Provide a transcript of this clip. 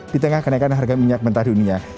di tengah kenaikan harga minyak mentah dunia